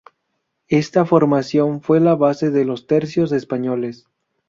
Está formación fue la base de los tercios españoles.